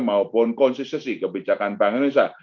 maupun konsistensi kebijakan bank indonesia